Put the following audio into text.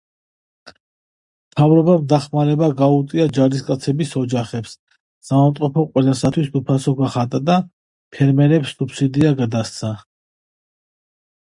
მთავრობამ დახმარება გაუწია ჯარისკაცების ოჯახებს, საავადმყოფო ყველასთვის უფასო გახადა და ფერმერებს სუბსიდია გადასცა.